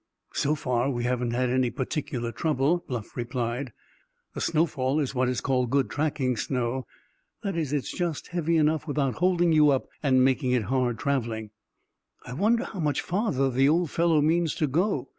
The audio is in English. "So far, we haven't had any particular trouble," Bluff replied. "The snowfall is what is called good tracking snow—that is, it's just heavy enough without holding you up and making it hard traveling." "I wonder how much farther the old fellow means to go?"